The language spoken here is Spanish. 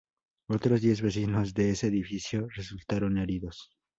Otros diez vecinos de ese edificio resultaron heridos.